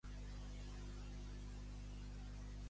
El caputxí negre és un animal social.